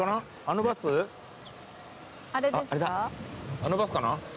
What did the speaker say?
あのバスかな？